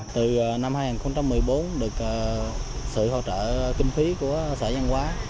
từ năm hai nghìn một mươi bốn được sự hỗ trợ kinh phí của xã giang hóa